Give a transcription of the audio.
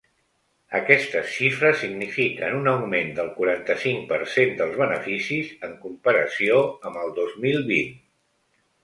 Aquestes xifres signifiquen un augment del quaranta-cinc per cent dels beneficis en comparació amb el dos mil vint.